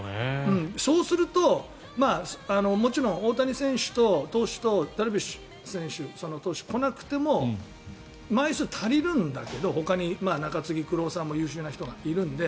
そうすると、もちろん大谷選手とダルビッシュ選手が来なくても枚数足りるんだけどほかに中継ぎ、クローザーも優秀な人がいるので。